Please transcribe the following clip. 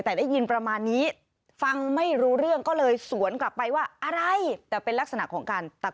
แต่ได้ยินประมาณนี้ฟังไม่รู้เรื่อง